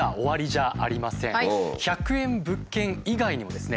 １００円物件以外にもですね